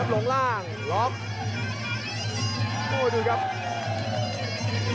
ลงล่างล้อม